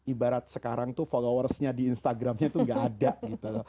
ibarat sekarang followersnya di instagramnya itu tidak ada